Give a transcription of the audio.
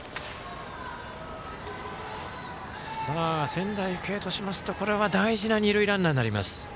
仙台育英としましてはこれは、大事な二塁ランナーになります。